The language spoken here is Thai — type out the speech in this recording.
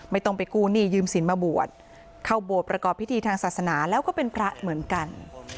ไม่ต้องไปกู้หนี้ยืมสินมาบวชเข้าโบสถ์ประกอบพิธีทางศาสนาแล้วก็เป็นพระเหมือนกัน